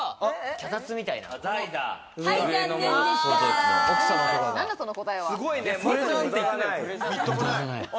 脚立みたいな。